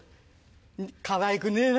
かわいくねえな。